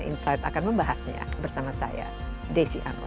insight akan membahasnya bersama saya desi anwar